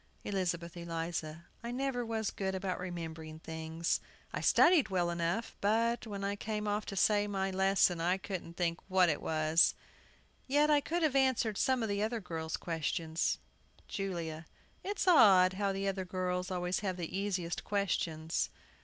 ELIZABETH ELIZA. I never was good about remembering things. I studied well enough, but, when I came to say off my lesson, I couldn't think what it was. Yet I could have answered some of the other girls' questions. JULIA. It's odd how the other girls always have the easiest questions.